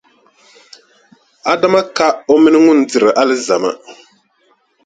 Adama ka o mini ŋun diri alizama.